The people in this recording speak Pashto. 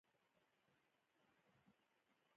مديريت درېيم داسې لينز دی.